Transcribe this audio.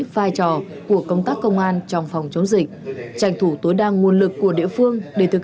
vai trò của công tác công an trong phòng chống dịch tranh thủ tối đa nguồn lực của địa phương để thực